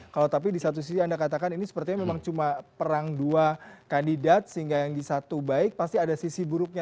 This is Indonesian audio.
kalau tapi di satu sisi anda katakan ini sepertinya memang cuma perang dua kandidat sehingga yang di satu baik pasti ada sisi buruknya